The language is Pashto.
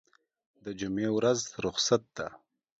دجمعې ورځ رخصت ده